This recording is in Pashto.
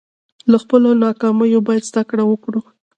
له خپلو ناکامیو باید زده کړه وکړو.